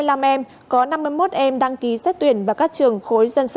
trong một trăm sáu mươi năm em có năm mươi một em đăng ký xét tuyển vào các trường khối dân sự